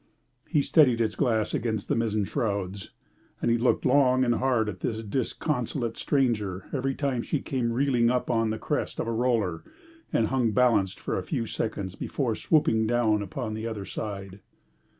He steadied his glass against the mizzen shrouds, and he looked long and hard at this disconsolate stranger every time she came reeling up on to the crest of a roller and hung balanced for a few seconds before swooping down upon the other side.